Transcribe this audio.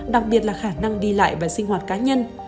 đặc biệt là khả năng đi lại và sinh hoạt cá nhân